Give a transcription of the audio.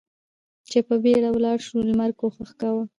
چې په بېړه ولاړ شو، لمر کوښښ کاوه.